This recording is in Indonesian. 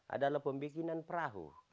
adalah pembuatan perahu